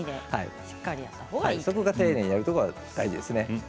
そこを丁寧にやることそれが大事です。